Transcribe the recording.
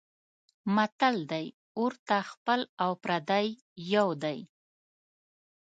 متل دی: اور ته خپل او پردی یو دی.